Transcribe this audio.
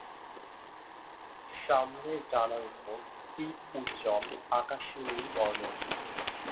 সামনের ডানার ওপর পিঠ উজ্জ্বল আকাশী নীল বর্নের।